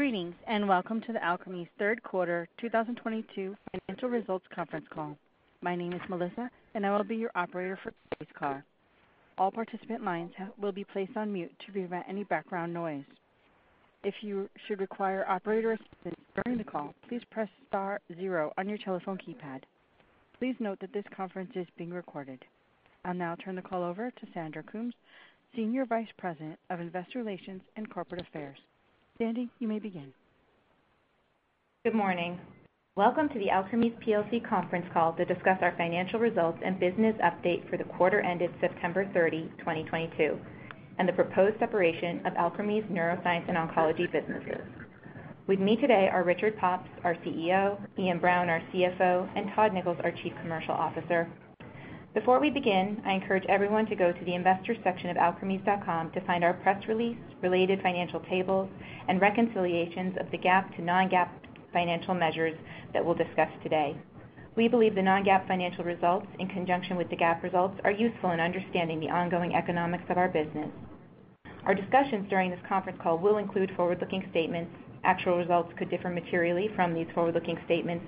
Greetings, and welcome to the Alkermes third quarter 2022 financial results conference call. My name is Melissa, and I will be your operator for today's call. All participant lines will be placed on mute to prevent any background noise. If you should require operator assistance during the call, please press star zero on your telephone keypad. Please note that this conference is being recorded. I'll now turn the call over to Sandy Coombs, Senior Vice President of Investor Relations and Corporate Affairs. Sandy, you may begin. Good morning. Welcome to the Alkermes plc conference call to discuss our financial results and business update for the quarter ended September 30, 2022, and the proposed separation of Alkermes neuroscience and oncology businesses. With me today are Richard Pops, our CEO, Iain Brown, our CFO, and Todd Nichols, our Chief Commercial Officer. Before we begin, I encourage everyone to go to the investors section of alkermes.com to find our press release, related financial tables, and reconciliations of the GAAP to non-GAAP financial measures that we'll discuss today. We believe the non-GAAP financial results in conjunction with the GAAP results are useful in understanding the ongoing economics of our business. Our discussions during this conference call will include forward-looking statements. Actual results could differ materially from these forward-looking statements.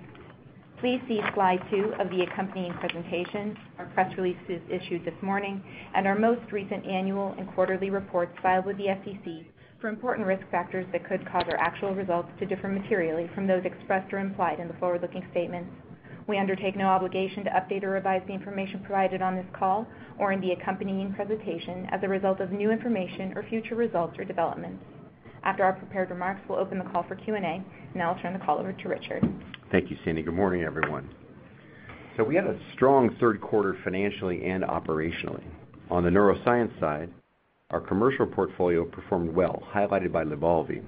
Please see slide two of the accompanying presentation, our press releases issued this morning, and our most recent annual and quarterly reports filed with the SEC for important risk factors that could cause our actual results to differ materially from those expressed or implied in the forward-looking statements. We undertake no obligation to update or revise the information provided on this call or in the accompanying presentation as a result of new information or future results or developments. After our prepared remarks, we'll open the call for Q&A, and I'll turn the call over to Richard. Thank you, Sandy. Good morning, everyone. We had a strong third quarter financially and operationally. On the neuroscience side, our commercial portfolio performed well, highlighted by Lybalvi,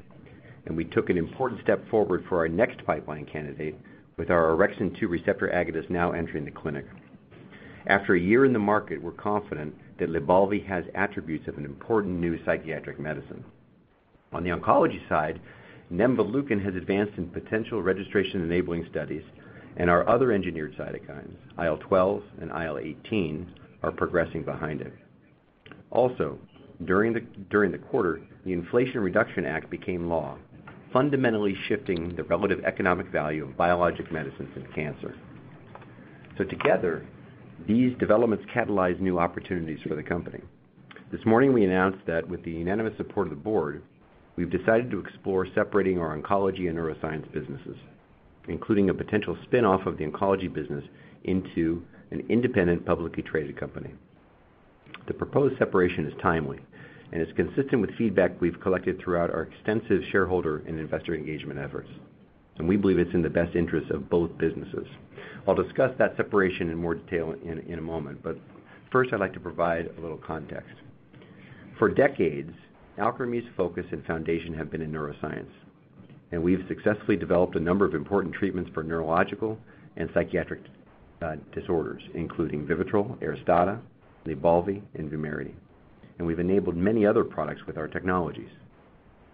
and we took an important step forward for our next pipeline candidate with our orexin-2 receptor agonist now entering the clinic. After a year in the market, we're confident that Lybalvi has attributes of an important new psychiatric medicine. On the oncology side, nemvaleukin has advanced in potential registration-enabling studies, and our other engineered cytokines, IL-12 and IL-18, are progressing behind it. Also, during the quarter, the Inflation Reduction Act became law, fundamentally shifting the relative economic value of biologic medicines in cancer. Together, these developments catalyze new opportunities for the company. This morning, we announced that with the unanimous support of the board, we've decided to explore separating our oncology and neuroscience businesses, including a potential spin-off of the oncology business into an independent, publicly traded company. The proposed separation is timely and is consistent with feedback we've collected throughout our extensive shareholder and investor engagement efforts, and we believe it's in the best interest of both businesses. I'll discuss that separation in more detail in a moment, but first I'd like to provide a little context. For decades, Alkermes' focus and foundation have been in neuroscience, and we've successfully developed a number of important treatments for neurological and psychiatric disorders, including Vivitrol, Aristada, Lybalvi, and Vumerity, and we've enabled many other products with our technologies.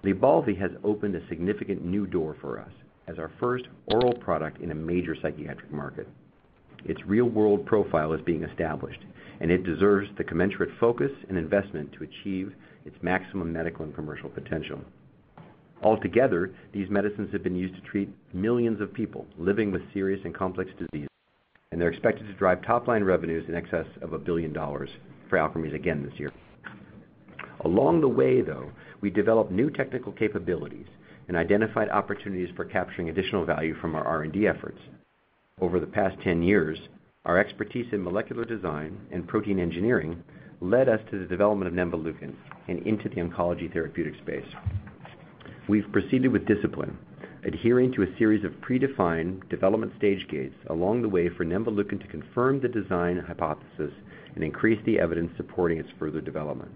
Lybalvi has opened a significant new door for us as our first oral product in a major psychiatric market. Its real-world profile is being established, and it deserves the commensurate focus and investment to achieve its maximum medical and commercial potential. Altogether, these medicines have been used to treat millions of people living with serious and complex disease, and they're expected to drive top-line revenues in excess of $1 billion for Alkermes again this year. Along the way, though, we developed new technical capabilities and identified opportunities for capturing additional value from our R&D efforts. Over the past 10 years, our expertise in molecular design and protein engineering led us to the development of nemvaleukin and into the oncology therapeutic space. We've proceeded with discipline, adhering to a series of predefined development stage gates along the way for nemvaleukin to confirm the design hypothesis and increase the evidence supporting its further development.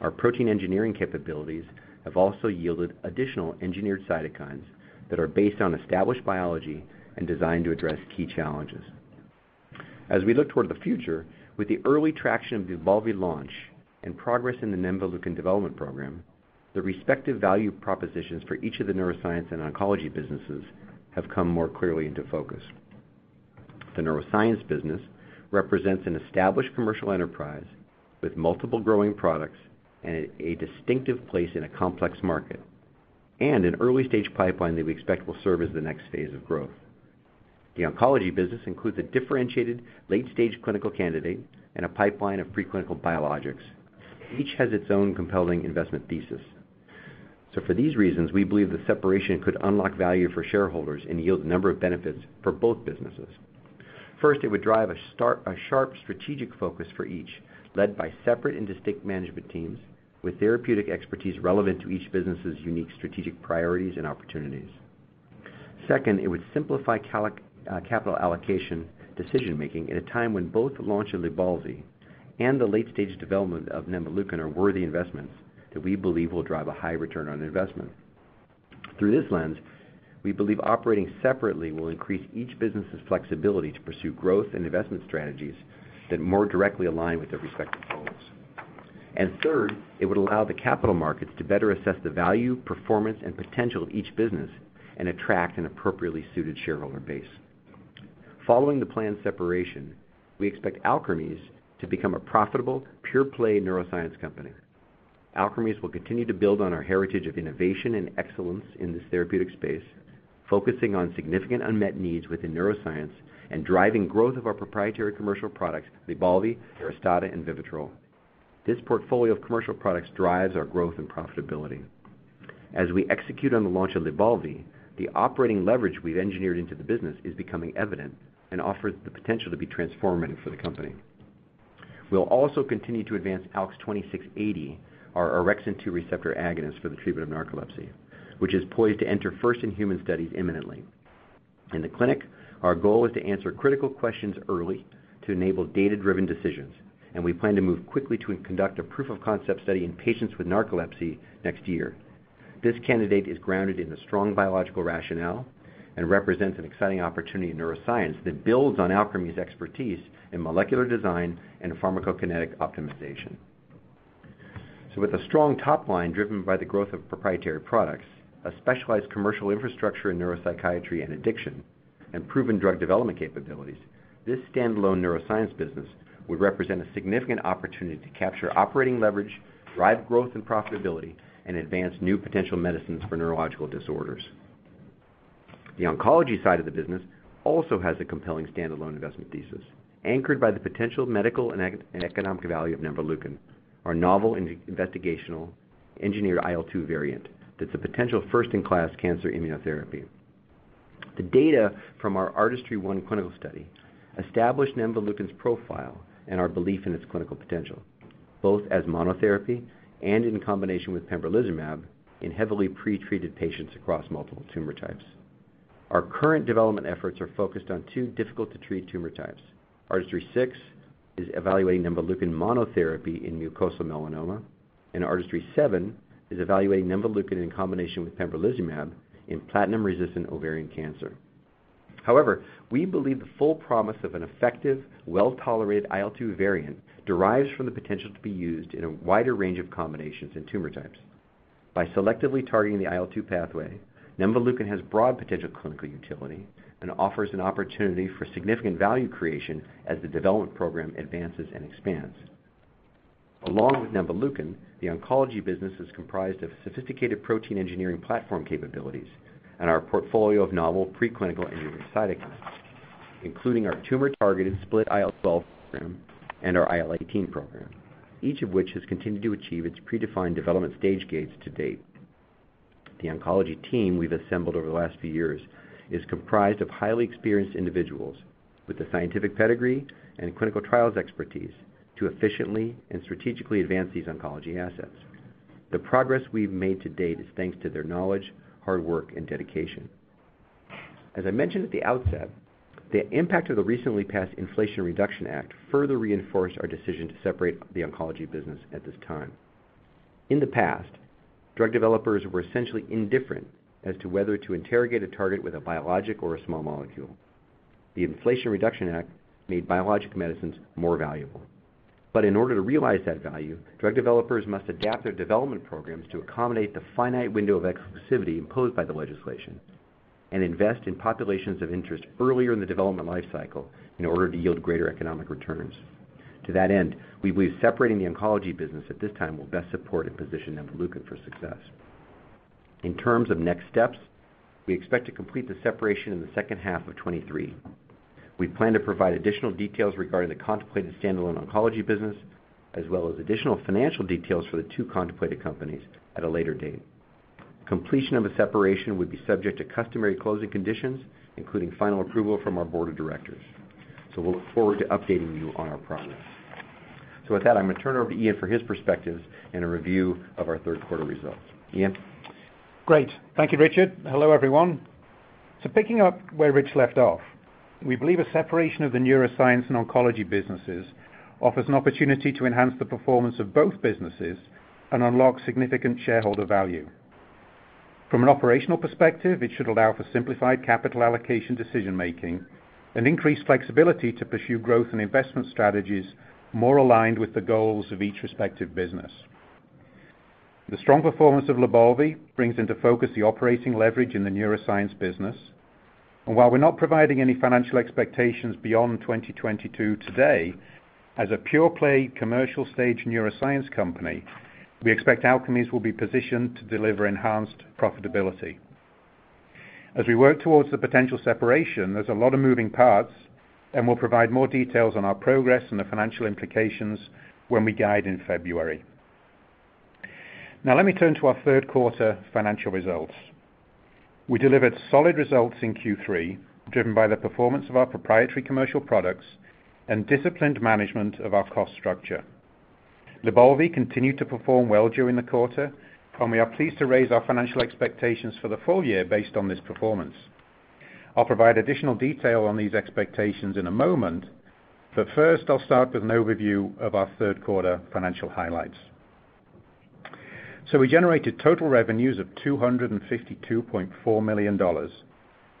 Our protein engineering capabilities have also yielded additional engineered cytokines that are based on established biology and designed to address key challenges. As we look toward the future, with the early traction of the Lybalvi launch and progress in the nemvaleukin development program, the respective value propositions for each of the neuroscience and oncology businesses have come more clearly into focus. The neuroscience business represents an established commercial enterprise with multiple growing products and a distinctive place in a complex market, and an early-stage pipeline that we expect will serve as the next phase of growth. The oncology business includes a differentiated late-stage clinical candidate and a pipeline of pre-clinical biologics. Each has its own compelling investment thesis. For these reasons, we believe the separation could unlock value for shareholders and yield a number of benefits for both businesses. First, it would drive a sharp strategic focus for each, led by separate and distinct management teams with therapeutic expertise relevant to each business's unique strategic priorities and opportunities. Second, it would simplify capital allocation decision-making at a time when both the launch of Lybalvi and the late-stage development of nemvaleukin are worthy investments that we believe will drive a high return on investment. Through this lens, we believe operating separately will increase each business's flexibility to pursue growth and investment strategies that more directly align with their respective goals. Third, it would allow the capital markets to better assess the value, performance, and potential of each business and attract an appropriately suited shareholder base. Following the planned separation, we expect Alkermes to become a profitable pure-play neuroscience company. Alkermes will continue to build on our heritage of innovation and excellence in this therapeutic space, focusing on significant unmet needs within neuroscience and driving growth of our proprietary commercial products, Lybalvi, Aristada, and Vivitrol. This portfolio of commercial products drives our growth and profitability. As we execute on the launch of Lybalvi, the operating leverage we've engineered into the business is becoming evident and offers the potential to be transformative for the company. We'll also continue to advance ALKS 2680, our orexin 2 receptor agonist for the treatment of narcolepsy, which is poised to enter first-in-human studies imminently. In the clinic, our goal is to answer critical questions early to enable data-driven decisions, and we plan to move quickly to conduct a proof of concept study in patients with narcolepsy next year. This candidate is grounded in a strong biological rationale and represents an exciting opportunity in neuroscience that builds on Alkermes' expertise in molecular design and pharmacokinetic optimization. With a strong top line driven by the growth of proprietary products, a specialized commercial infrastructure in neuropsychiatry and addiction, and proven drug development capabilities, this standalone neuroscience business would represent a significant opportunity to capture operating leverage, drive growth and profitability, and advance new potential medicines for neurological disorders. The oncology side of the business also has a compelling standalone investment thesis, anchored by the potential medical and economic value of nemvaleukin, our novel investigational engineered IL-2 variant that's a potential first-in-class cancer immunotherapy. The data from our ARTISTRY-1 clinical study established nemvaleukin's profile and our belief in its clinical potential, both as monotherapy and in combination with pembrolizumab in heavily pretreated patients across multiple tumor types. Our current development efforts are focused on two difficult-to-treat tumor types. ARTISTRY-6 is evaluating nemvaleukin monotherapy in mucosal melanoma, and ARTISTRY-7 is evaluating nemvaleukin in combination with pembrolizumab in platinum-resistant ovarian cancer. However, we believe the full promise of an effective, well-tolerated IL-2 variant derives from the potential to be used in a wider range of combinations and tumor types. By selectively targeting the IL-2 pathway, nemvaleukin has broad potential clinical utility and offers an opportunity for significant value creation as the development program advances and expands. Along with nemvaleukin, the oncology business is comprised of sophisticated protein engineering platform capabilities and our portfolio of novel preclinical engineering cytokines, including our tumor-targeted split IL-12 program and our IL-18 program, each of which has continued to achieve its predefined development stage gates to date. The oncology team we've assembled over the last few years is comprised of highly experienced individuals with the scientific pedigree and clinical trials expertise to efficiently and strategically advance these oncology assets. The progress we've made to date is thanks to their knowledge, hard work, and dedication. As I mentioned at the outset, the impact of the recently passed Inflation Reduction Act further reinforced our decision to separate the oncology business at this time. In the past, drug developers were essentially indifferent as to whether to interrogate a target with a biologic or a small molecule. The Inflation Reduction Act made biologic medicines more valuable. In order to realize that value, drug developers must adapt their development programs to accommodate the finite window of exclusivity imposed by the legislation and invest in populations of interest earlier in the development life cycle in order to yield greater economic returns. To that end, we believe separating the oncology business at this time will best support and position nemvaleukin for success. In terms of next steps, we expect to complete the separation in the second half of 2023. We plan to provide additional details regarding the contemplated standalone oncology business, as well as additional financial details for the two contemplated companies at a later date. Completion of a separation would be subject to customary closing conditions, including final approval from our board of directors. We'll look forward to updating you on our progress. With that, I'm gonna turn it over to Iain for his perspectives and a review of our third quarter results. Iain? Great. Thank you, Richard. Hello, everyone. Picking up where Rich left off, we believe a separation of the neuroscience and oncology businesses offers an opportunity to enhance the performance of both businesses and unlock significant shareholder value. From an operational perspective, it should allow for simplified capital allocation decision-making and increased flexibility to pursue growth and investment strategies more aligned with the goals of each respective business. The strong performance of Lybalvi brings into focus the operating leverage in the neuroscience business. While we're not providing any financial expectations beyond 2022 today, as a pure-play commercial stage neuroscience company, we expect Alkermes will be positioned to deliver enhanced profitability. As we work towards the potential separation, there's a lot of moving parts, and we'll provide more details on our progress and the financial implications when we guide in February. Now let me turn to our third quarter financial results. We delivered solid results in Q3, driven by the performance of our proprietary commercial products and disciplined management of our cost structure. Lybalvi continued to perform well during the quarter, and we are pleased to raise our financial expectations for the full year based on this performance. I'll provide additional detail on these expectations in a moment, but first I'll start with an overview of our third quarter financial highlights. We generated total revenues of $252.4 million,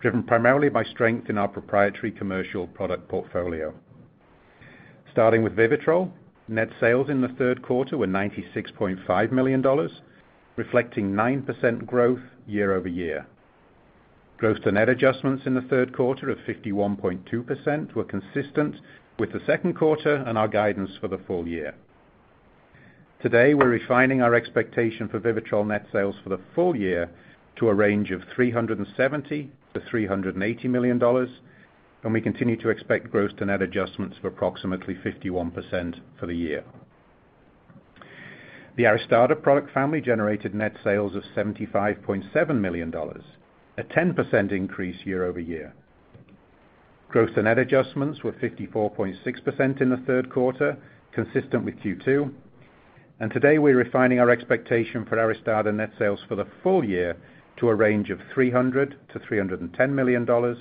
driven primarily by strength in our proprietary commercial product portfolio. Starting with Vivitrol, net sales in the third quarter were $96.5 million, reflecting 9% growth year-over-year. Gross to net adjustments in the third quarter of 51.2% were consistent with the second quarter and our guidance for the full year. Today, we're refining our expectation for Vivitrol net sales for the full year to a range of $370 million-$380 million, and we continue to expect gross to net adjustments of approximately 51% for the year. The Aristada product family generated net sales of $75.7 million, a 10% increase year-over-year. Gross to net adjustments were 54.6% in the third quarter, consistent with Q2. Today we're refining our expectation for ARISTADA net sales for the full year to a range of $300 million-$310 million,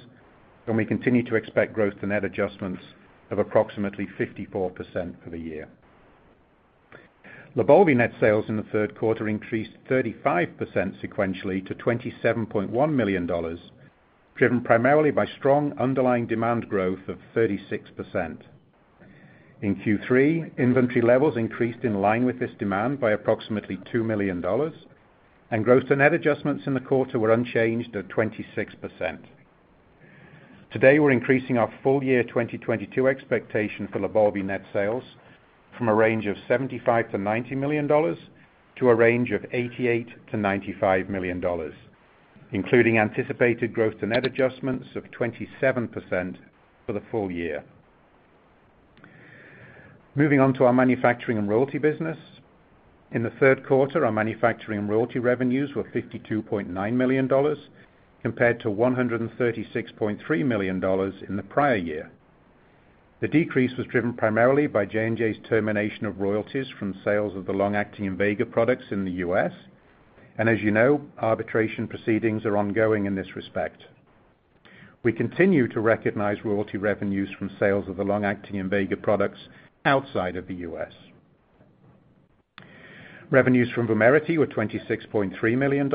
and we continue to expect gross to net adjustments of approximately 54% for the year. Lybalvi net sales in the third quarter increased 35% sequentially to $27.1 million, driven primarily by strong underlying demand growth of 36%. In Q3, inventory levels increased in line with this demand by approximately $2 million and gross to net adjustments in the quarter were unchanged at 26%. Today, we're increasing our full year 2022 expectation for Lybalvi net sales from a range of $75 million-$90 million to a range of $88 million-$95 million, including anticipated gross to net adjustments of 27% for the full year. Moving on to our manufacturing and royalty business. In the third quarter, our manufacturing royalty revenues were $52.9 million compared to $136.3 million in the prior year. The decrease was driven primarily by J&J's termination of royalties from sales of the long-acting Invega products in the U.S. As you know, arbitration proceedings are ongoing in this respect. We continue to recognize royalty revenues from sales of the long-acting Invega products outside of the U.S. Revenues from Vumerity were $26.3 million.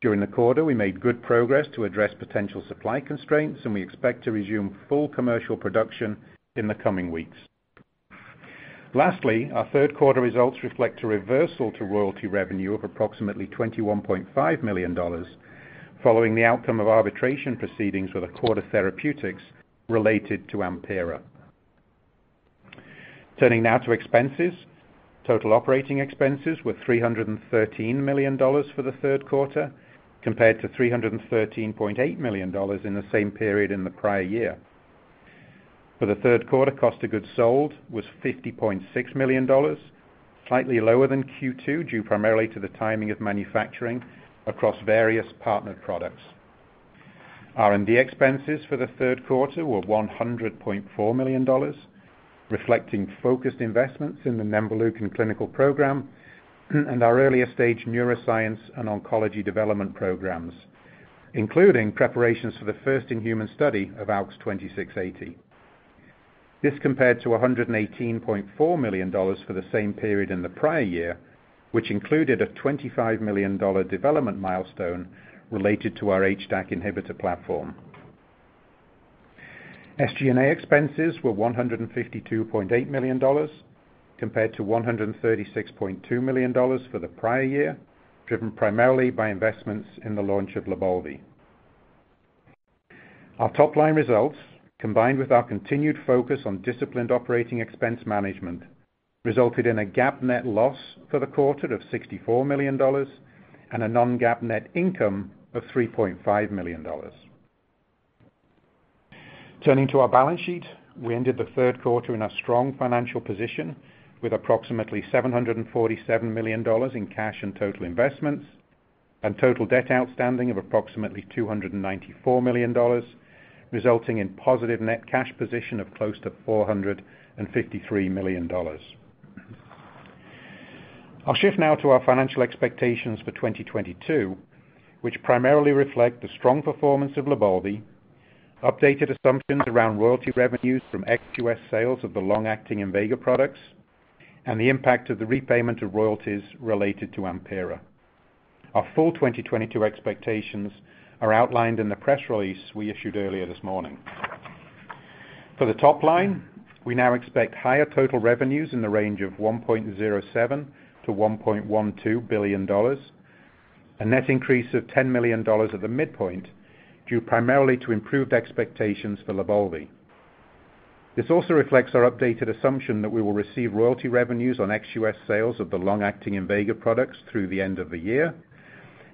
During the quarter, we made good progress to address potential supply constraints, and we expect to resume full commercial production in the coming weeks. Lastly, our third quarter results reflect a reversal to royalty revenue of approximately $21.5 million, following the outcome of arbitration proceedings with Acorda Therapeutics related to AMPYRA. Turning now to expenses. Total operating expenses were $313 million for the third quarter, compared to $313.8 million in the same period in the prior year. For the third quarter, cost of goods sold was $50.6 million, slightly lower than Q2, due primarily to the timing of manufacturing across various partnered products. R&D expenses for the third quarter were $100.4 million, reflecting focused investments in the nemvaleukin clinical program and our earlier stage neuroscience and oncology development programs, including preparations for the first in-human study of ALKS 2680. This compared to $118.4 million for the same period in the prior year, which included a $25 million development milestone related to our HDAC inhibitor platform. SG&A expenses were $152.8 million compared to $136.2 million for the prior year, driven primarily by investments in the launch of Lybalvi. Our top line results, combined with our continued focus on disciplined operating expense management, resulted in a GAAP net loss for the quarter of $64 million and a non-GAAP net income of $3.5 million. Turning to our balance sheet. We ended the third quarter in a strong financial position with approximately $747 million in cash and total investments, and total debt outstanding of approximately $294 million, resulting in positive net cash position of close to $453 million. I'll shift now to our financial expectations for 2022, which primarily reflect the strong performance of Lybalvi, updated assumptions around royalty revenues from ex-U.S. sales of the long-acting Invega products, and the impact of the repayment of royalties related to AMPYRA. Our full 2022 expectations are outlined in the press release we issued earlier this morning. For the top line, we now expect higher total revenues in the range of $1.07 billion-$1.12 billion, a net increase of $10 million at the midpoint, due primarily to improved expectations for Lybalvi. This also reflects our updated assumption that we will receive royalty revenues on ex-U.S. sales of the long-acting Invega products through the end of the year,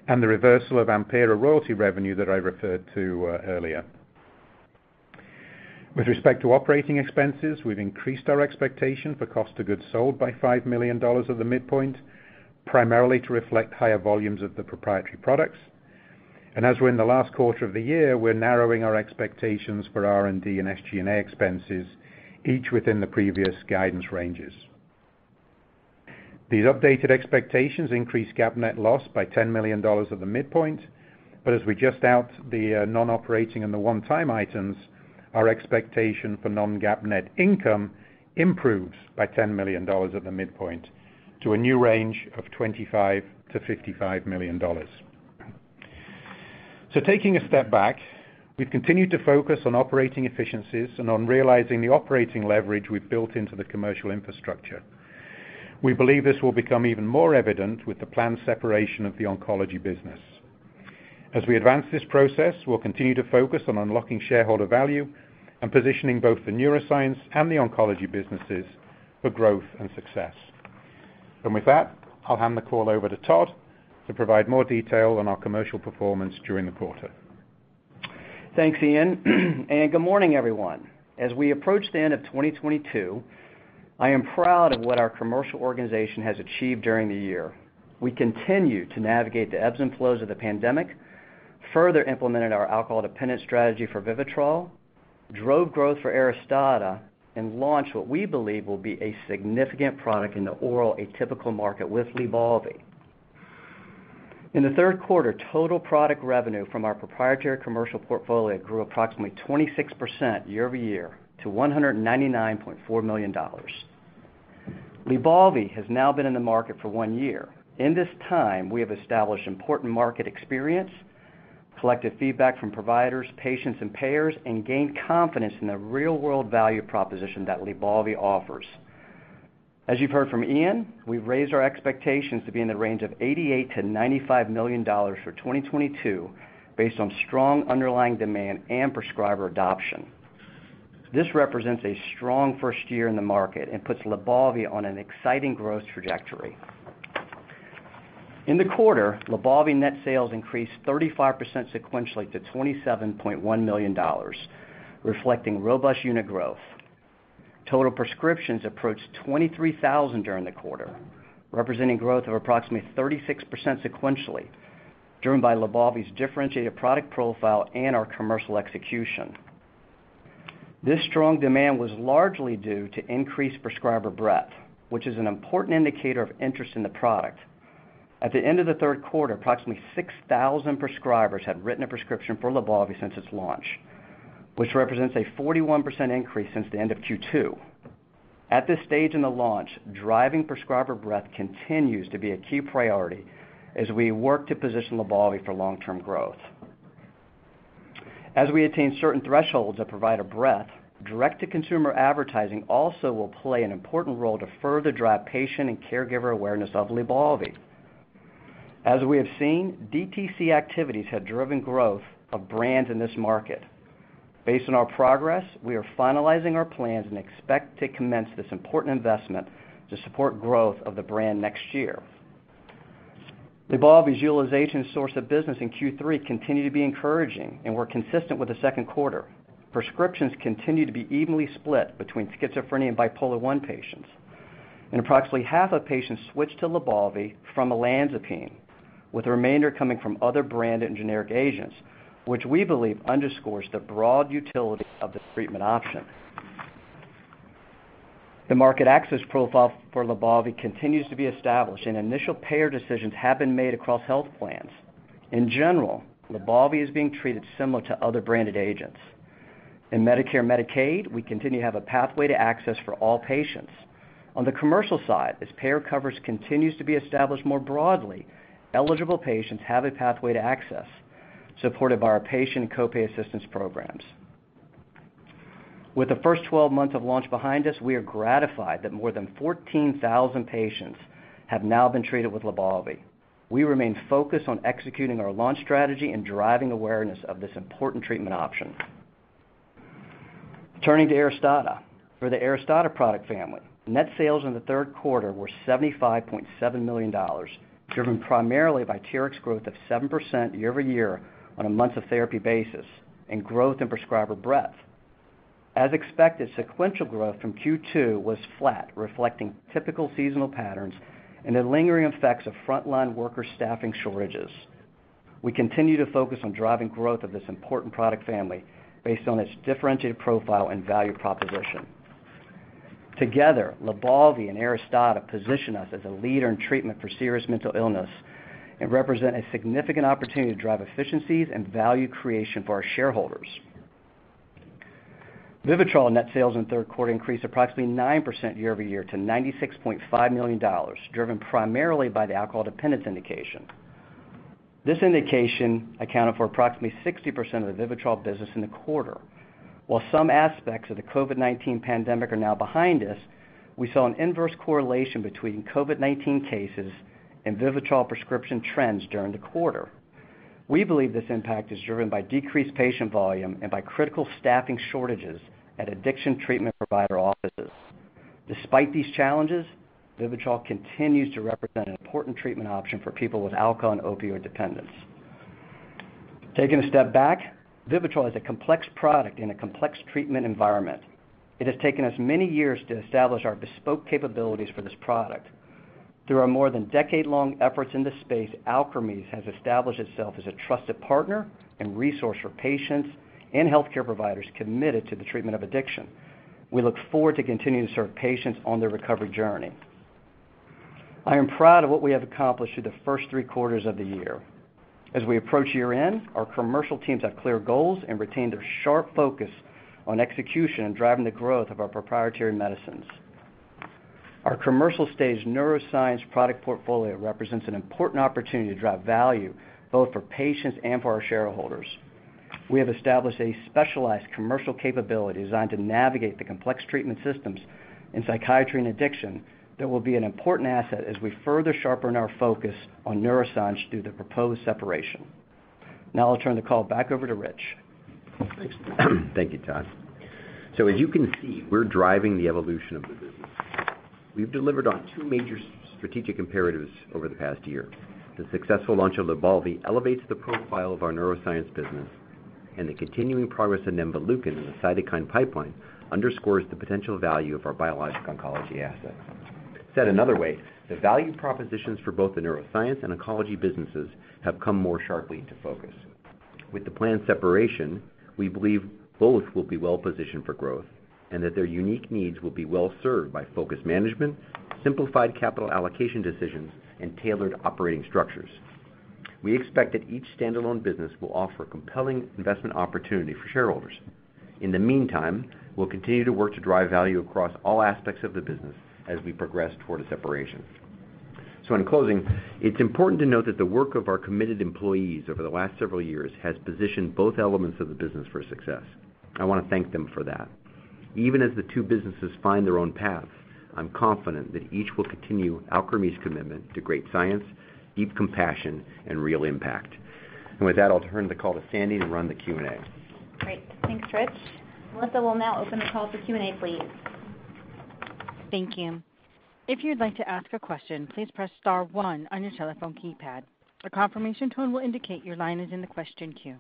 and the reversal of AMPYRA royalty revenue that I referred to earlier. With respect to operating expenses, we've increased our expectation for cost of goods sold by $5 million at the midpoint, primarily to reflect higher volumes of the proprietary products. As we're in the last quarter of the year, we're narrowing our expectations for R&D and SG&A expenses, each within the previous guidance ranges. These updated expectations increase GAAP net loss by $10 million at the midpoint. As we strip out the non-operating and the one-time items, our expectation for non-GAAP net income improves by $10 million at the midpoint to a new range of $25 million-$55 million. Taking a step back, we've continued to focus on operating efficiencies and on realizing the operating leverage we've built into the commercial infrastructure. We believe this will become even more evident with the planned separation of the oncology business. As we advance this process, we'll continue to focus on unlocking shareholder value and positioning both the neuroscience and the oncology businesses for growth and success. With that, I'll hand the call over to Todd to provide more detail on our commercial performance during the quarter. Thanks, Iain. Good morning, everyone. As we approach the end of 2022, I am proud of what our commercial organization has achieved during the year. We continue to navigate the ebbs and flows of the pandemic, further implemented our alcohol-dependent strategy for Vivitrol, drove growth for Aristada, and launched what we believe will be a significant product in the oral atypical market with Lybalvi. In the third quarter, total product revenue from our proprietary commercial portfolio grew approximately 26% year-over-year to $199.4 million. Lybalvi has now been in the market for one year. In this time, we have established important market experience, collected feedback from providers, patients, and payers, and gained confidence in the real-world value proposition that Lybalvi offers. As you've heard from Iain, we've raised our expectations to be in the range of $88 million-$95 million for 2022 based on strong underlying demand and prescriber adoption. This represents a strong first year in the market and puts Lybalvi on an exciting growth trajectory. In the quarter, Lybalvi net sales increased 35% sequentially to $27.1 million, reflecting robust unit growth. Total prescriptions approached 23,000 during the quarter, representing growth of approximately 36% sequentially, driven by Lybalvi's differentiated product profile and our commercial execution. This strong demand was largely due to increased prescriber breadth, which is an important indicator of interest in the product. At the end of the third quarter, approximately 6,000 prescribers had written a prescription for Lybalvi since its launch, which represents a 41% increase since the end of Q2. At this stage in the launch, driving prescriber breadth continues to be a key priority as we work to position Lybalvi for long-term growth. As we attain certain thresholds that provide a breadth, direct-to-consumer advertising also will play an important role to further drive patient and caregiver awareness of Lybalvi. As we have seen, DTC activities have driven growth of brands in this market. Based on our progress, we are finalizing our plans and expect to commence this important investment to support growth of the brand next year. Lybalvi's utilization source of business in Q3 continued to be encouraging and were consistent with the second quarter. Prescriptions continued to be evenly split between schizophrenia and bipolar I patients. Approximately half of patients switched to Lybalvi from olanzapine, with the remainder coming from other brand and generic agents, which we believe underscores the broad utility of this treatment option. The market access profile for Lybalvi continues to be established, and initial payer decisions have been made across health plans. In general, Lybalvi is being treated similar to other branded agents. In Medicare and Medicaid, we continue to have a pathway to access for all patients. On the commercial side, as payer coverage continues to be established more broadly, eligible patients have a pathway to access, supported by our patient co-pay assistance programs. With the first 12 months of launch behind us, we are gratified that more than 14,000 patients have now been treated with Lybalvi. We remain focused on executing our launch strategy and driving awareness of this important treatment option. Turning to Aristada. For the Aristada product family, net sales in the third quarter were $75.7 million, driven primarily by TRX growth of 7% year-over-year on a months of therapy basis and growth in prescriber breadth. As expected, sequential growth from Q2 was flat, reflecting typical seasonal patterns and the lingering effects of frontline worker staffing shortages. We continue to focus on driving growth of this important product family based on its differentiated profile and value proposition. Together, Lybalvi and Aristada position us as a leader in treatment for serious mental illness and represent a significant opportunity to drive efficiencies and value creation for our shareholders. Vivitrol net sales in the third quarter increased approximately 9% year-over-year to $96.5 million, driven primarily by the alcohol dependence indication. This indication accounted for approximately 60% of the Vivitrol business in the quarter. While some aspects of the COVID-19 pandemic are now behind us, we saw an inverse correlation between COVID-19 cases and Vivitrol prescription trends during the quarter. We believe this impact is driven by decreased patient volume and by critical staffing shortages at addiction treatment provider offices. Despite these challenges, Vivitrol continues to represent an important treatment option for people with alcohol and opioid dependence. Taking a step back, Vivitrol is a complex product in a complex treatment environment. It has taken us many years to establish our bespoke capabilities for this product. Through our more than decade-long efforts in this space, Alkermes has established itself as a trusted partner and resource for patients and healthcare providers committed to the treatment of addiction. We look forward to continuing to serve patients on their recovery journey. I am proud of what we have accomplished through the first three quarters of the year. As we approach year-end, our commercial teams have clear goals and retain their sharp focus on execution and driving the growth of our proprietary medicines. Our commercial stage neuroscience product portfolio represents an important opportunity to drive value both for patients and for our shareholders. We have established a specialized commercial capability designed to navigate the complex treatment systems in psychiatry and addiction that will be an important asset as we further sharpen our focus on neuroscience through the proposed separation. Now I'll turn the call back over to Rich. Thanks. Thank you, Todd. As you can see, we're driving the evolution of the business. We've delivered on two major strategic imperatives over the past year. The successful launch of Lybalvi elevates the profile of our neuroscience business, and the continuing progress in nemvaleukin in the cytokine pipeline underscores the potential value of our biologic oncology assets. Said another way, the value propositions for both the neuroscience and oncology businesses have come more sharply into focus. With the planned separation, we believe both will be well positioned for growth and that their unique needs will be well served by focused management, simplified capital allocation decisions, and tailored operating structures. We expect that each standalone business will offer compelling investment opportunity for shareholders. In the meantime, we'll continue to work to drive value across all aspects of the business as we progress toward a separation. In closing, it's important to note that the work of our committed employees over the last several years has positioned both elements of the business for success. I wanna thank them for that. Even as the two businesses find their own path, I'm confident that each will continue Alkermes' commitment to great science, deep compassion, and real impact. With that, I'll turn the call to Sandy to run the Q&A. Great. Thanks, Rich. Melissa will now open the call for Q&A, please. Thank you. If you'd like to ask a question, please press star one on your telephone keypad. A confirmation tone will indicate your line is in the question queue.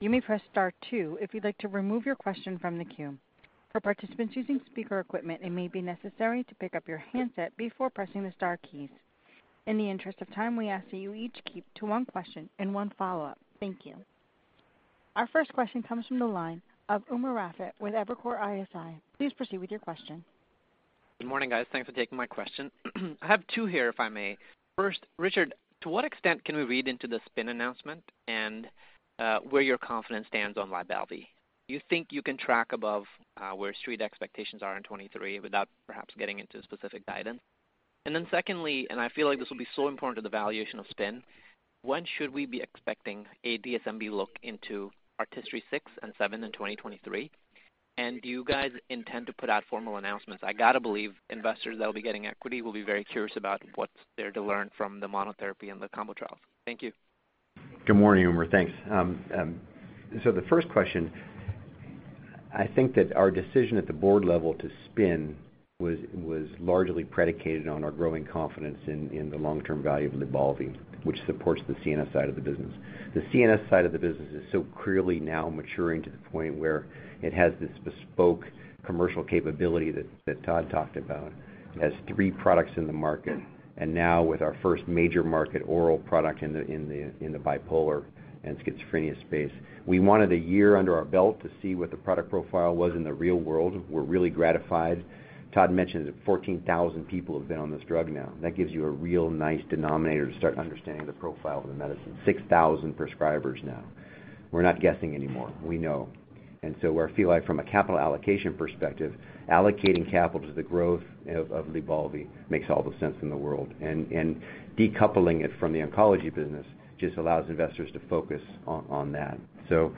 You may press star two if you'd like to remove your question from the queue. For participants using speaker equipment, it may be necessary to pick up your handset before pressing the star keys. In the interest of time, we ask that you each keep to one question and one follow-up. Thank you. Our first question comes from the line of Umer Raffat with Evercore ISI. Please proceed with your question. Good morning, guys. Thanks for taking my question. I have two here, if I may. First, Richard, to what extent can we read into the spin announcement and where your confidence stands on Lybalvi? You think you can track above where street expectations are in 2023 without perhaps getting into specific guidance? Then secondly, I feel like this will be so important to the valuation of spin, when should we be expecting a DSMB look into ARTISTRY-6 and ARTISTRY-7 in 2023? And do you guys intend to put out formal announcements? I gotta believe investors that'll be getting equity will be very curious about what's there to learn from the monotherapy and the combo trials. Thank you. Good morning, Umer. Thanks. The first question, I think that our decision at the board level to spin was largely predicated on our growing confidence in the long-term value of Lybalvi, which supports the CNS side of the business. The CNS side of the business is so clearly now maturing to the point where it has this bespoke commercial capability that Todd talked about. It has three products in the market, and now with our first major market oral product in the bipolar and schizophrenia space. We wanted a year under our belt to see what the product profile was in the real world. We're really gratified. Todd mentioned that 14,000 people have been on this drug now. That gives you a real nice denominator to start understanding the profile of the medicine. 6,000 prescribers now. We're not guessing anymore. We know. Where I feel like from a capital allocation perspective, allocating capital to the growth of Lybalvi makes all the sense in the world. Decoupling it from the oncology business just allows investors to focus on that. The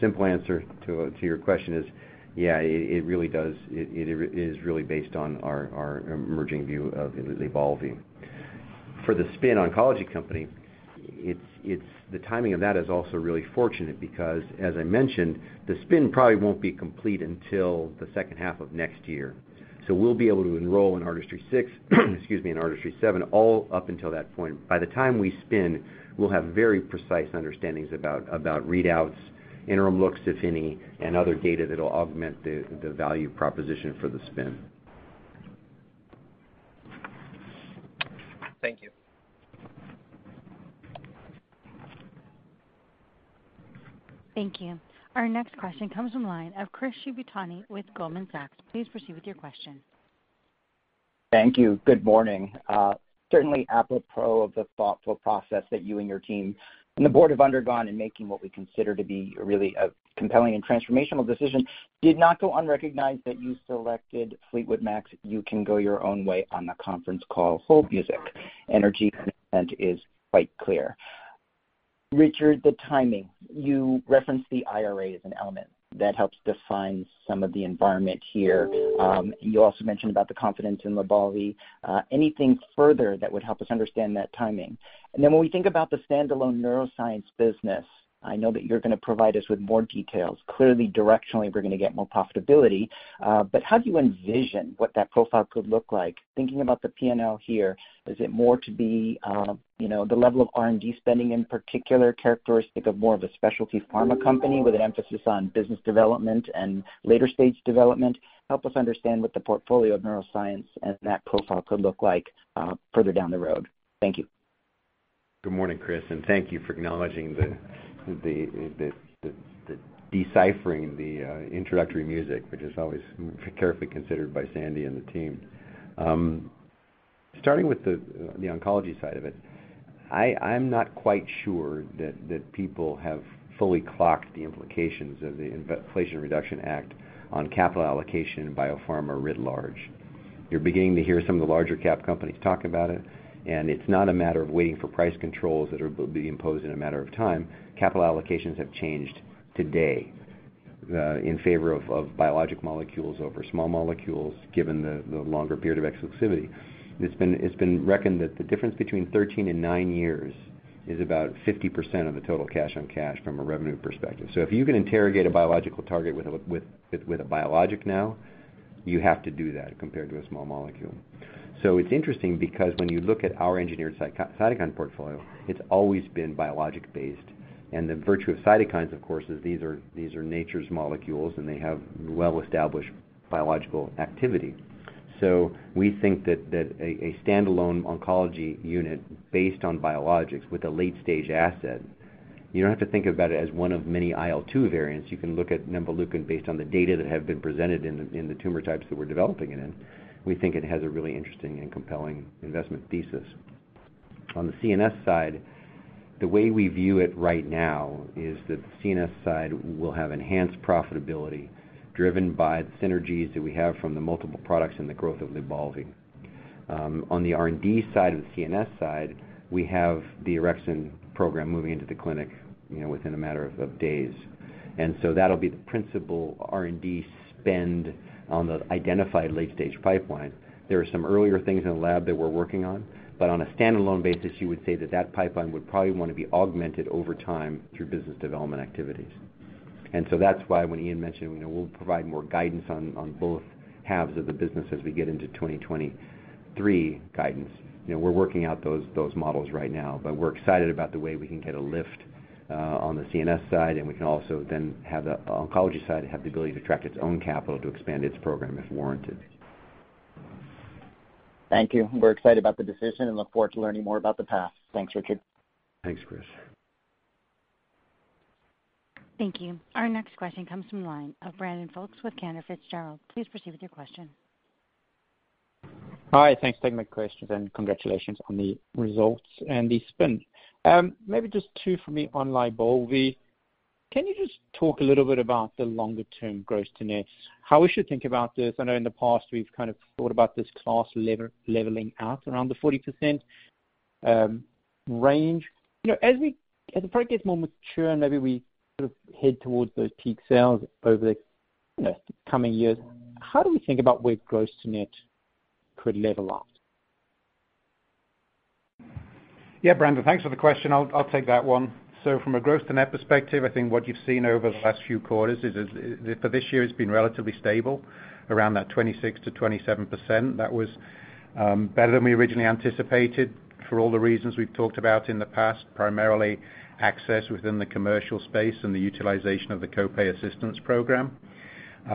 simple answer to your question is, yeah, it really does. It is really based on our emerging view of Lybalvi. For the spin oncology company, the timing of that is also really fortunate because, as I mentioned, the spin probably won't be complete until the second half of next year. We'll be able to enroll in ARTISTRY-6, excuse me, in ARTISTRY-7, all up until that point. By the time we spin, we'll have very precise understandings about readouts, interim looks, if any, and other data that'll augment the value proposition for the spin. Thank you. Thank you. Our next question comes from the line of Chris Shibutani with Goldman Sachs. Please proceed with your question. Thank you. Good morning. Certainly apropos of the thoughtful process that you and your team and the board have undergone in making what we consider to be really a compelling and transformational decision, did not go unrecognized that you selected Fleetwood Mac's You Can Go Your Own Way on the conference call. Hold music energy is quite clear. Richard, the timing, you referenced the IRA as an element that helps define some of the environment here. You also mentioned about the confidence in Lybalvi. Anything further that would help us understand that timing? When we think about the standalone neuroscience business, I know that you're gonna provide us with more details. Clearly, directionally, we're gonna get more profitability, but how do you envision what that profile could look like? Thinking about the P&L here, is it more to be, you know, the level of R&D spending in particular characteristic of more of a specialty pharma company with an emphasis on business development and later stage development? Help us understand what the portfolio of neuroscience and that profile could look like, further down the road. Thank you. Good morning, Chris, and thank you for acknowledging the deciphering the introductory music, which is always carefully considered by Sandy and the team. Starting with the oncology side of it, I'm not quite sure that people have fully clocked the implications of the Inflation Reduction Act on capital allocation in biopharma writ large. You're beginning to hear some of the larger cap companies talk about it, and it's not a matter of waiting for price controls that are being imposed in a matter of time. Capital allocations have changed today in favor of biologic molecules over small molecules, given the longer period of exclusivity. It's been reckoned that the difference between 13 and nine years is about 50% of the total cash on cash from a revenue perspective. If you can interrogate a biological target with a biologic now, you have to do that compared to a small molecule. It's interesting because when you look at our engineered cytokine portfolio, it's always been biologic based. The virtue of cytokines, of course, is these are nature's molecules, and they have well-established biological activity. We think that a stand-alone oncology unit based on biologics with a late-stage asset, you don't have to think about it as one of many IL-2 variants. You can look at nemvaleukin based on the data that have been presented in the tumor types that we're developing it in. We think it has a really interesting and compelling investment thesis. On the CNS side, the way we view it right now is that the CNS side will have enhanced profitability driven by synergies that we have from the multiple products and the growth of Lybalvi. On the R&D side of the CNS side, we have the orexin program moving into the clinic, you know, within a matter of days. That'll be the principal R&D spend on the identified late-stage pipeline. There are some earlier things in the lab that we're working on, but on a stand-alone basis, you would say that pipeline would probably wanna be augmented over time through business development activities. That's why when Iain mentioned, you know, we'll provide more guidance on both halves of the business as we get into 2023 guidance. You know, we're working out those models right now, but we're excited about the way we can get a lift on the CNS side, and we can also then have the oncology side have the ability to attract its own capital to expand its program if warranted. Thank you. We're excited about the decision and look forward to learning more about the path. Thanks, Richard. Thanks, Chris. Thank you. Our next question comes from the line of Brandon Folkes with Cantor Fitzgerald. Please proceed with your question. Hi. Thanks for taking my questions, and congratulations on the results and the spin. Maybe just two for me on Lybalvi. Can you just talk a little bit about the longer term gross to net? How we should think about this? I know in the past, we've kind of thought about this class leveling out around the 40% range. You know, as the product gets more mature, and maybe we sort of head towards those peak sales over the, you know, coming years, how do we think about where gross to net could level off? Yeah. Brandon, thanks for the question. I'll take that one. From a gross to net perspective, I think what you've seen over the last few quarters is for this year, it's been relatively stable around that 26%-27%. That was better than we originally anticipated for all the reasons we've talked about in the past, primarily access within the commercial space and the utilization of the co-pay assistance program. You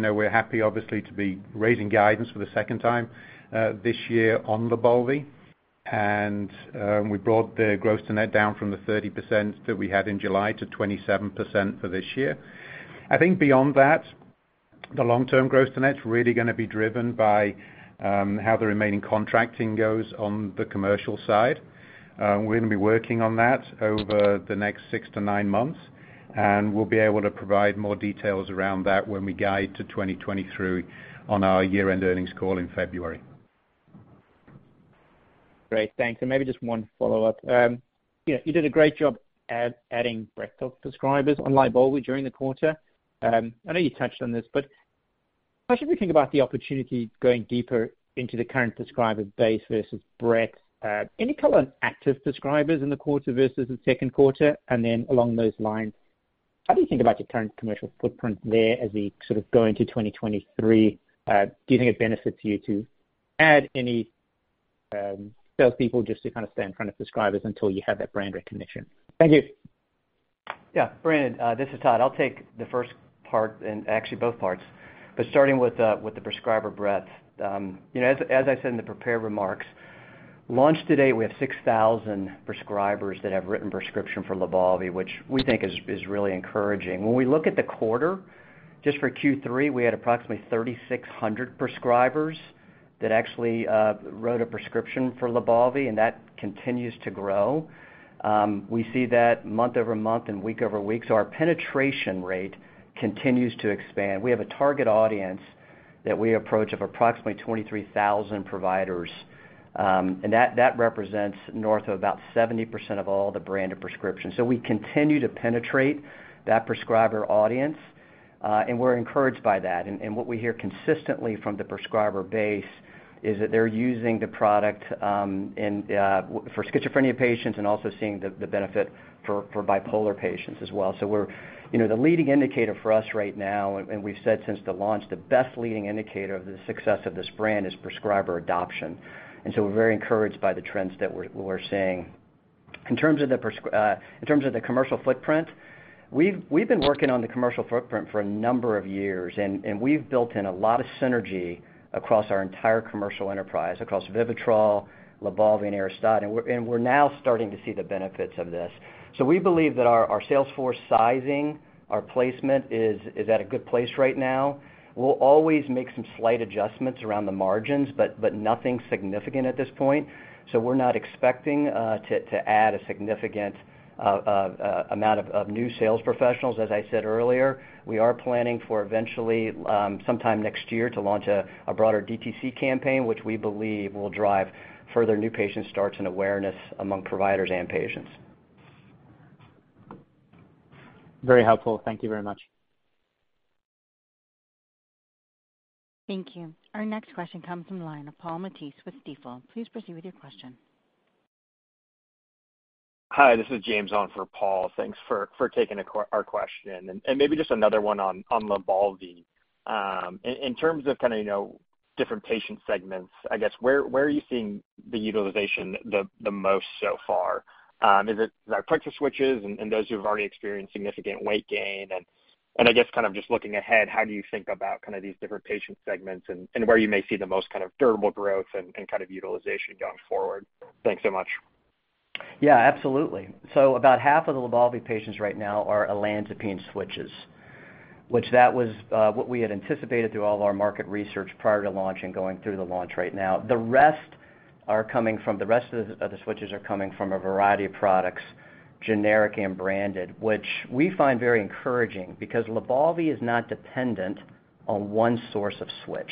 know, we're happy obviously to be raising guidance for the second time this year on Lybalvi. We brought the gross to net down from the 30% that we had in July to 27% for this year. I think beyond that, the long-term gross to net's really gonna be driven by how the remaining contracting goes on the commercial side. We're gonna be working on that over the next 6-9 months, and we'll be able to provide more details around that when we guide to 2020 through on our year-end earnings call in February. Great. Thanks. Maybe just one follow-up. You know, you did a great job adding breadth of prescribers on Lybalvi during the quarter. I know you touched on this, but how should we think about the opportunity going deeper into the current prescriber base versus breadth? Any color on active prescribers in the quarter versus the second quarter? Along those lines, how do you think about your current commercial footprint there as we sort of go into 2023? Do you think it benefits you to add any salespeople just to kind of stay in front of prescribers until you have that brand recognition? Thank you. Yeah. Brandon, this is Todd. I'll take the first part and actually both parts. Starting with the prescriber breadth. You know, as I said in the prepared remarks, launched today, we have 6,000 prescribers that have written prescription for Lybalvi, which we think is really encouraging. When we look at the quarter, just for Q3, we had approximately 3,600 prescribers that actually wrote a prescription for Lybalvi, and that continues to grow. We see that month-over-month and week-over-week, so our penetration rate continues to expand. We have a target audience that we approach of approximately 23,000 providers, and that represents north of about 70% of all the branded prescriptions. We continue to penetrate that prescriber audience, and we're encouraged by that. What we hear consistently from the prescriber base is that they're using the product for schizophrenia patients and also seeing the benefit for bipolar patients as well. You know, the leading indicator for us right now, and we've said since the launch, the best leading indicator of the success of this brand is prescriber adoption. We're very encouraged by the trends that we're seeing. In terms of the commercial footprint. We've been working on the commercial footprint for a number of years, and we've built in a lot of synergy across our entire commercial enterprise, across Vivitrol, Lybalvi and Aristada. We're now starting to see the benefits of this. We believe that our sales force sizing, our placement is at a good place right now. We'll always make some slight adjustments around the margins, but nothing significant at this point. We're not expecting to add a significant amount of new sales professionals. As I said earlier, we are planning for eventually sometime next year to launch a broader DTC campaign, which we believe will drive further new patient starts and awareness among providers and patients. Very helpful. Thank you very much. Thank you. Our next question comes from line of Paul Matteis with Stifel. Please proceed with your question. Hi, this is James on for Paul. Thanks for taking our question and maybe just another one on Lybalvi. In terms of kinda, you know, different patient segments, I guess, where are you seeing the utilization the most so far? Is it the quicker switches and those who've already experienced significant weight gain? I guess kind of just looking ahead, how do you think about kinda these different patient segments and where you may see the most kind of durable growth and kind of utilization going forward? Thanks so much. Yeah, absolutely. About half of the Lybalvi patients right now are olanzapine switches, which that was what we had anticipated through all of our market research prior to launch and going through the launch right now. The rest of the switches are coming from a variety of products, generic and branded, which we find very encouraging because Lybalvi is not dependent on one source of switch,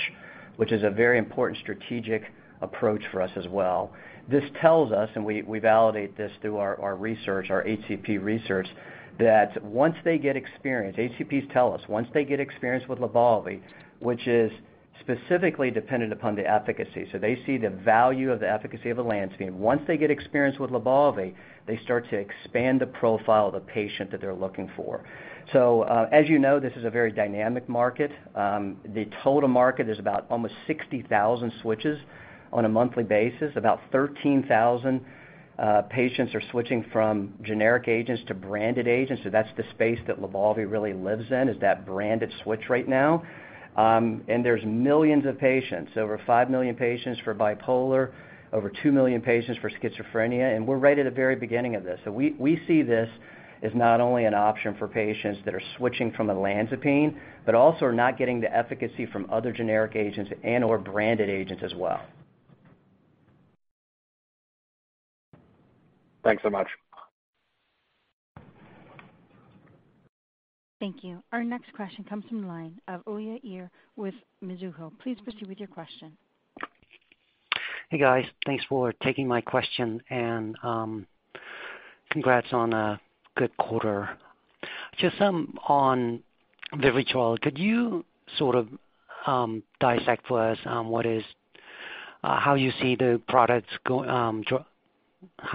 which is a very important strategic approach for us as well. This tells us, and we validate this through our research, our HCP research, that HCPs tell us once they get experienced with Lybalvi, which is specifically dependent upon the efficacy, so they see the value of the efficacy of olanzapine. Once they get experienced with Lybalvi, they start to expand the profile of the patient that they're looking for. As you know, this is a very dynamic market. The total market is about almost 60,000 switches on a monthly basis. About 13,000 patients are switching from generic agents to branded agents, so that's the space that Lybalvi really lives in, is that branded switch right now. There's millions of patients, over 5 million patients for bipolar, over 2 million patients for schizophrenia, and we're right at the very beginning of this. We see this as not only an option for patients that are switching from olanzapine, but also are not getting the efficacy from other generic agents and or branded agents as well. Thanks so much. Thank you. Our next question comes from the line of Oya Ir with Mizuho. Please proceed with your question. Hey, guys. Thanks for taking my question and congrats on a good quarter. Just on Vivitrol, could you sort of dissect for us how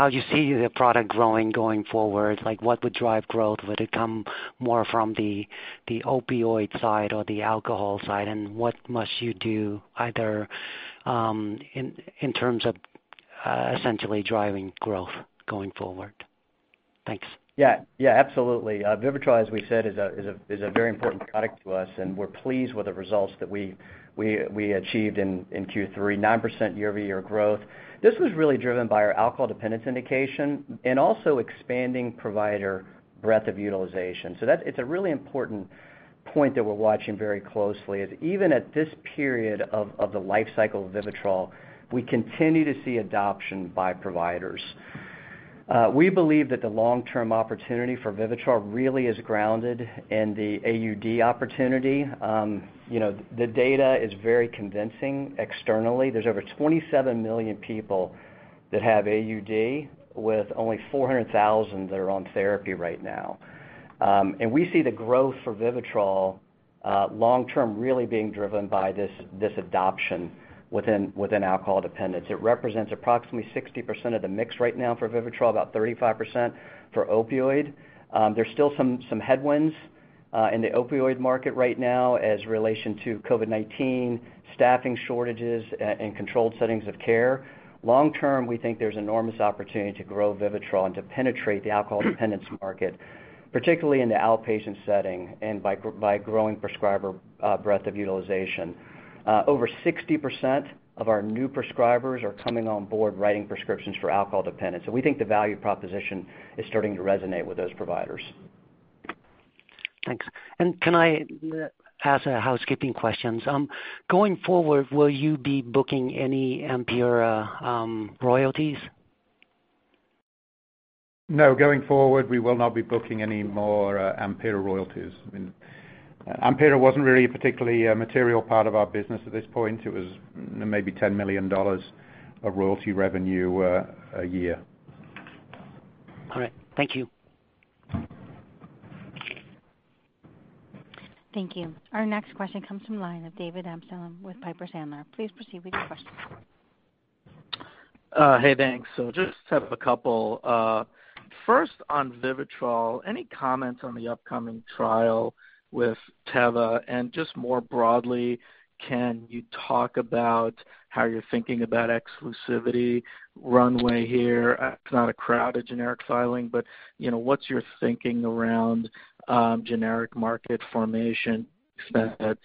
you see the product growing going forward? Like, what would drive growth? Would it come more from the opioid side or the alcohol side? What must you do either in terms of essentially driving growth going forward? Thanks. Yeah, absolutely. Vivitrol, as we said, is a very important product to us, and we're pleased with the results that we achieved in Q3, 9% year-over-year growth. This was really driven by our alcohol dependence indication and also expanding provider breadth of utilization. It's a really important point that we're watching very closely, even at this period of the life cycle of Vivitrol, we continue to see adoption by providers. We believe that the long-term opportunity for Vivitrol really is grounded in the AUD opportunity. You know, the data is very convincing externally. There's over 27 million people that have AUD, with only 400,000 that are on therapy right now. And we see the growth for Vivitrol long term really being driven by this adoption within alcohol dependence. It represents approximately 60% of the mix right now for VivitrolL, about 35% for opioid. There's still some headwinds in the opioid market right now in relation to COVID-19, staffing shortages, and controlled settings of care. Long term, we think there's enormous opportunity to grow Vivitrol and to penetrate the alcohol dependence market, particularly in the outpatient setting and by growing prescriber breadth of utilization. Over 60% of our new prescribers are coming on board writing prescriptions for alcohol dependence, so we think the value proposition is starting to resonate with those providers. Thanks. Can I ask a housekeeping question? Going forward, will you be booking any AMPYRA royalties? No. Going forward, we will not be booking any more AMPYRA royalties. I mean, AMPYRA wasn't really a particularly material part of our business at this point. It was maybe $10 million of royalty revenue a year. All right. Thank you. Thank you. Our next question comes from the line of David Amsellem with Piper Sandler. Please proceed with your question. Hey, thanks. Just have a couple. First on Vivitrol, any comments on the upcoming trial with Teva? Just more broadly, can you talk about how you're thinking about exclusivity runway here? It's not a crowded generic filing, but, you know, what's your thinking around generic entry if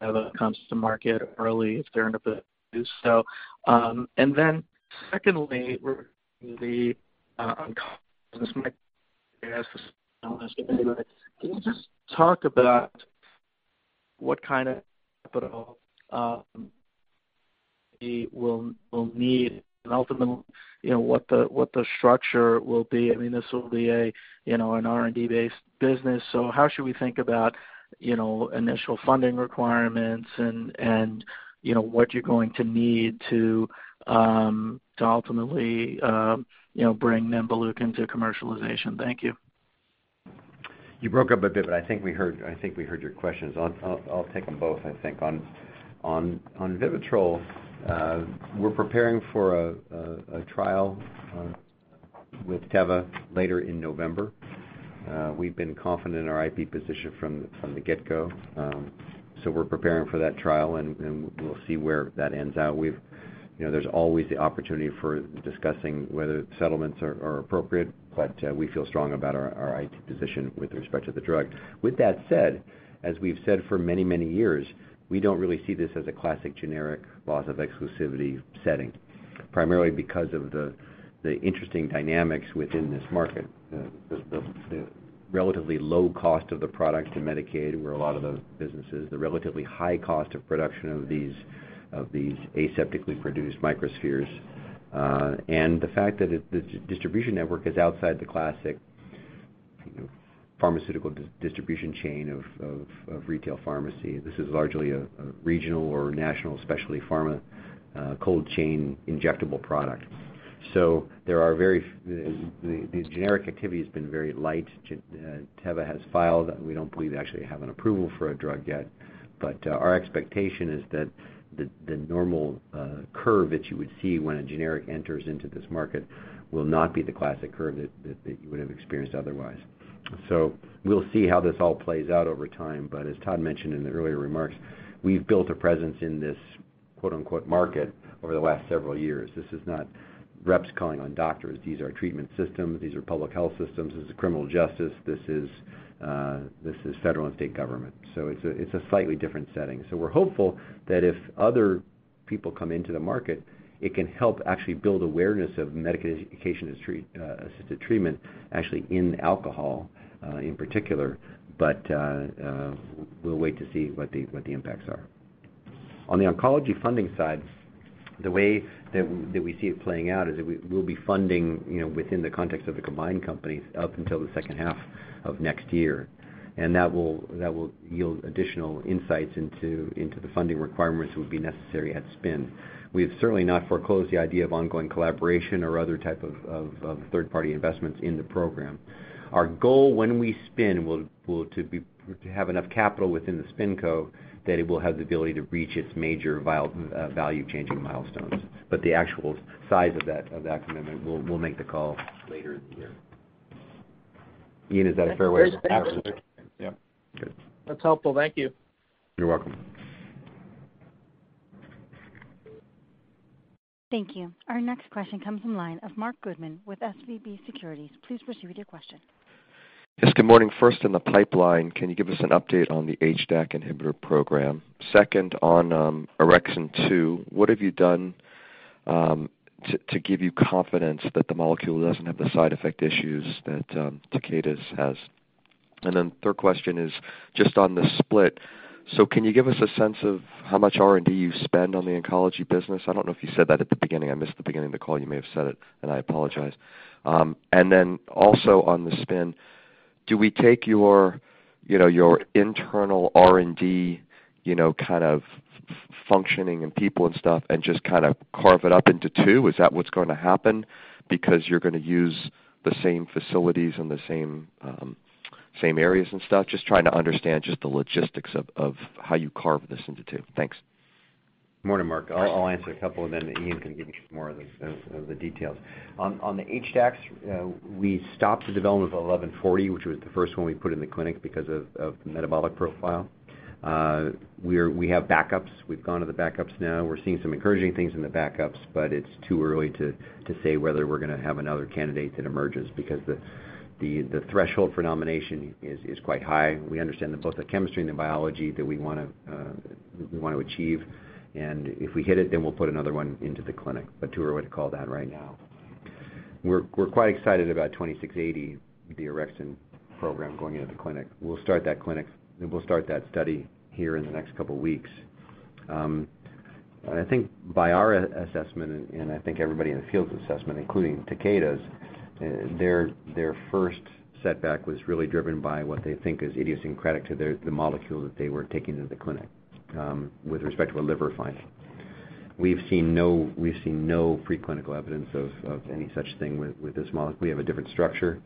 it comes to market early if they're into it so. Secondly, where can you just talk about what kind of capital we'll need and ultimately, you know, what the structure will be? I mean, this will be, you know, an R&D-based business. How should we think about, you know, initial funding requirements and, you know, what you're going to need to ultimately, you know, bring nemvaleukin into commercialization? Thank you. You broke up a bit, but I think we heard your questions. I'll take them both, I think. On Vivitrol, we're preparing for a trial with Teva later in November. We've been confident in our IP position from the get-go, so we're preparing for that trial, and we'll see where that ends up. You know, there's always the opportunity for discussing whether settlements are appropriate, but we feel strong about our IP position with respect to the drug. With that said, as we've said for many years, we don't really see this as a classic generic loss of exclusivity setting, primarily because of the interesting dynamics within this market. The relatively low cost of the products in Medicaid, where a lot of the business is, the relatively high cost of production of these aseptically produced microspheres, and the fact that the distribution network is outside the classic, you know, pharmaceutical distribution chain of retail pharmacy. This is largely a regional or national specialty pharma cold chain injectable product. The generic activity has been very light. Teva has filed. We don't believe they actually have an approval for a drug yet. Our expectation is that the normal curve that you would see when a generic enters into this market will not be the classic curve that you would have experienced otherwise. We'll see how this all plays out over time. As Todd mentioned in the earlier remarks, we've built a presence in this quote-unquote market over the last several years. This is not reps calling on doctors. These are treatment systems. These are public health systems. This is criminal justice. This is federal and state government, so it's a slightly different setting. We're hopeful that if other people come into the market, it can help actually build awareness of medication-assisted treatment actually in alcohol in particular. We'll wait to see what the impacts are. On the oncology funding side, the way that we see it playing out is that we'll be funding, you know, within the context of the combined companies up until the second half of next year, and that will yield additional insights into the funding requirements that would be necessary at spin. We have certainly not foreclosed the idea of ongoing collaboration or other type of third-party investments in the program. Our goal when we spin will to be to have enough capital within the spin co that it will have the ability to reach its major value-changing milestones. The actual size of that commitment, we'll make the call later in the year. Iain, is that a fair way of- That's fair. Thank you. Absolutely. Yeah. Good. That's helpful. Thank you. You're welcome. Thank you. Our next question comes from the line of Marc Goodman with SVB Securities. Please proceed with your question. Yes, good morning. First, in the pipeline, can you give us an update on the HDAC inhibitor program? Second, on Orexin-2, what have you done to give you confidence that the molecule doesn't have the side effect issues that Takeda's has? Third question is just on the split. Can you give us a sense of how much R&D you spend on the oncology business? I don't know if you said that at the beginning. I missed the beginning of the call. You may have said it, and I apologize. Then also on the spin, do we take your, you know, your internal R&D, you know, kind of functioning and people and stuff and just kind of carve it up into two? Is that what's gonna happen? Because you're gonna use the same facilities and the same same areas and stuff. Just trying to understand just the logistics of how you carve this into two. Thanks. Morning, Mark. I'll answer a couple, and then Iain can give you some more of the details. On the HDACs, we stopped the development of 1140, which was the first one we put in the clinic because of the metabolic profile. We have backups. We've gone to the backups now. We're seeing some encouraging things in the backups, but it's too early to say whether we're gonna have another candidate that emerges because the threshold for nomination is quite high. We understand that both the chemistry and the biology that we wanna achieve, and if we hit it, then we'll put another one into the clinic. Too early to call that right now. We're quite excited about 2680, the Orexin program going into the clinic. We'll start that study here in the next couple weeks. I think by our assessment and I think everybody in the field's assessment, including Takeda's, their first setback was really driven by what they think is idiosyncratic to the molecule that they were taking to the clinic, with respect to a liver finding. We've seen no preclinical evidence of any such thing with this molecule. We have a different structure,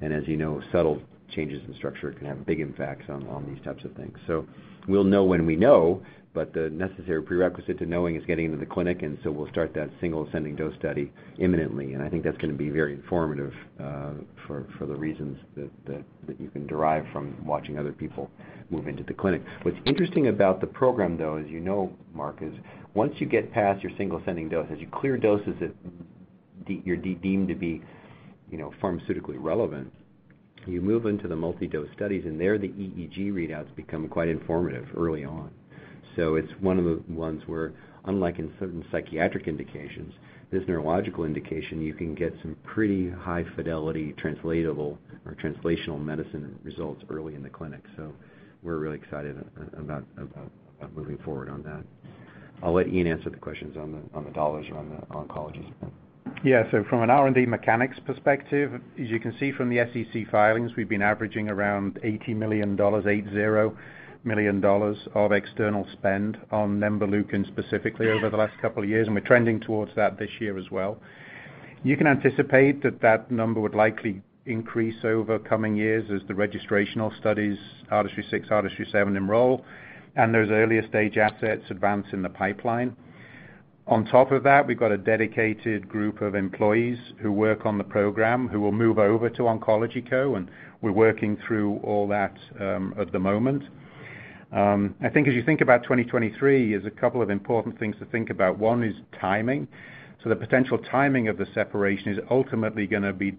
and as you know, subtle changes in structure can have big impacts on these types of things. We'll know when we know, but the necessary prerequisite to knowing is getting into the clinic, and we'll start that single ascending dose study imminently. I think that's gonna be very informative for the reasons that you can derive from watching other people move into the clinic. What's interesting about the program though, as you know, Marc, is once you get past your single ascending dose, as you clear doses that you're deemed to be, you know, pharmaceutically relevant, you move into the multi-dose studies, and there, the EEG readouts become quite informative early on. It's one of the ones where unlike in certain psychiatric indications, this neurological indication, you can get some pretty high fidelity translatable or translational medicine results early in the clinic. We're really excited about moving forward on that. I'll let Iain answer the questions on the dollars around the oncology. Yeah. From an R&D mechanics perspective, as you can see from the SEC filings, we've been averaging around $80 million of external spend on nemvaleukin specifically over the last couple of years, and we're trending towards that this year as well. You can anticipate that that number would likely increase over coming years as the registrational studies, ARTISTRY-6, ARTISTRY-7 enroll, and those earlier stage assets advance in the pipeline. On top of that, we've got a dedicated group of employees who work on the program who will move over to Mural Oncology, and we're working through all that at the moment. I think as you think about 2023, there's a couple of important things to think about. One is timing. The potential timing of the separation is ultimately gonna be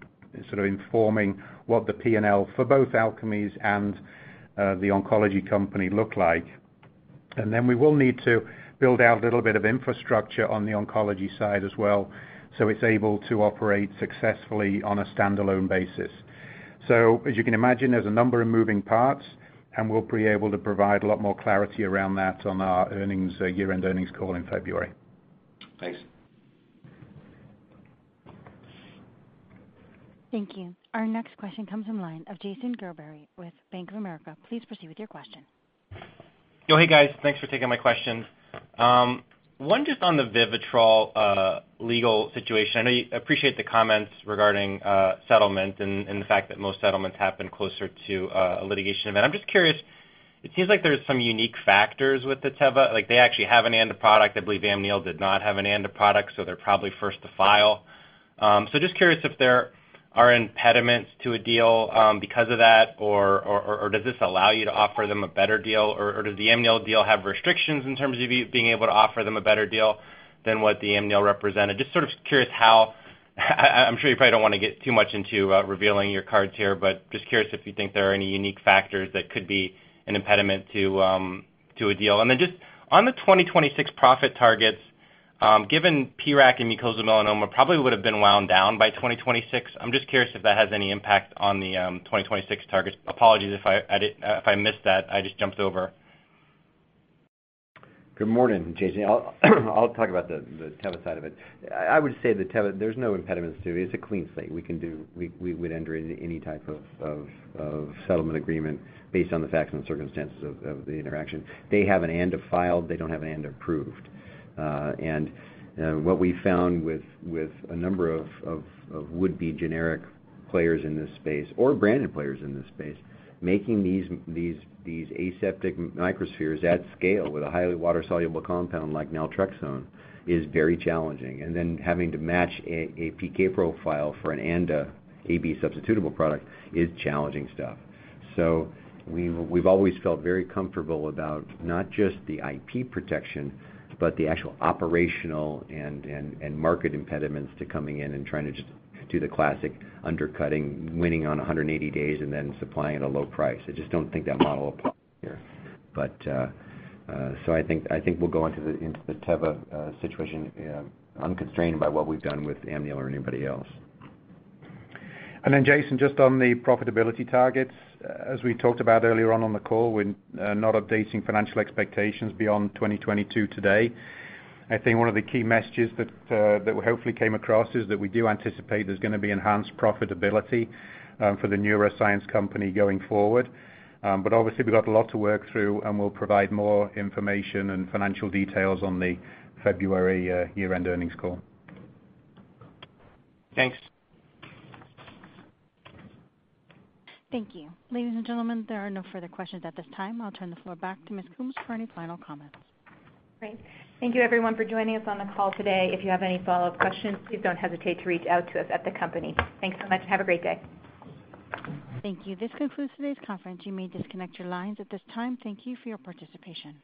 sort of informing what the P&L for both Alkermes and the oncology company look like. We will need to build out a little bit of infrastructure on the oncology side as well, so it's able to operate successfully on a standalone basis. As you can imagine, there's a number of moving parts, and we'll be able to provide a lot more clarity around that on our year-end earnings call in February. Thanks. Thank you. Our next question comes from line of Jason Gerberry with Bank of America. Please proceed with your question. Oh, hey, guys. Thanks for taking my questions. One just on the Vivitrol legal situation. I appreciate the comments regarding settlement and the fact that most settlements happen closer to a litigation event. I'm just curious, it seems like there's some unique factors with the Teva. Like, they actually have an ANDA product. I believe Amneal did not have an ANDA product, so they're probably first to file. So just curious if there are impediments to a deal because of that, or does this allow you to offer them a better deal? Or does the Amneal deal have restrictions in terms of you being able to offer them a better deal than what the Amneal represented? Just sort of curious how. I'm sure you probably don't wanna get too much into revealing your cards here, but just curious if you think there are any unique factors that could be an impediment to a deal. Just on the 2026 profit targets, given PROC and mucosal melanoma probably would have been wound down by 2026. I'm just curious if that has any impact on the 2026 targets. Apologies if I missed that, I just jumped over. Good morning, Jason. I'll talk about the Teva side of it. I would say that Teva, there's no impediments to it. It's a clean slate. We would enter any type of settlement agreement based on the facts and circumstances of the interaction. They have an ANDA filed, they don't have an ANDA approved. What we found with a number of would-be generic players in this space or branded players in this space, making these aseptic microspheres at scale with a highly water-soluble compound like Naltrexone is very challenging. Having to match a PK profile for an ANDA AB substitutable product is challenging stuff. We've always felt very comfortable about not just the IP protection, but the actual operational and market impediments to coming in and trying to just do the classic undercutting, winning on 180 days and then supplying at a low price. I just don't think that model applies here. I think we'll go into the Teva situation, unconstrained by what we've done with Amneal or anybody else. Jason, just on the profitability targets, as we talked about earlier on the call, we're not updating financial expectations beyond 2022 today. I think one of the key messages that hopefully came across is that we do anticipate there's gonna be enhanced profitability for the neuroscience company going forward. But obviously, we've got a lot to work through, and we'll provide more information and financial details on the February year-end earnings call. Thanks. Thank you. Ladies and gentlemen, there are no further questions at this time. I'll turn the floor back to Ms. Coombs for any final comments. Great. Thank you everyone for joining us on the call today. If you have any follow-up questions, please don't hesitate to reach out to us at the company. Thanks so much and have a great day. Thank you. This concludes today's conference. You may disconnect your lines at this time. Thank you for your participation.